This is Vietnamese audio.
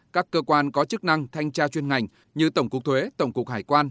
các cơ quan có chức năng thanh tra chuyên ngành như tổng cục thuế tổng cục hải quan